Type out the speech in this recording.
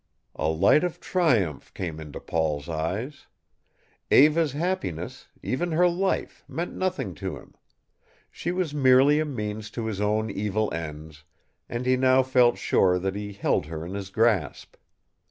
A light of triumph came into Paul's eyes. Eva's happiness, even her life, meant nothing to him. She was merely a means to his own evil ends and he now felt sure that he held her in his grasp.